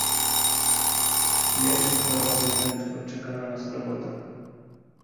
"Spiesz i powracaj prędko, czeka na nas robota."